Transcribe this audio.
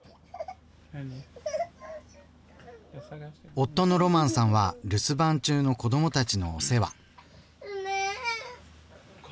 夫のロマンさんは留守番中の子どもたちのお世話。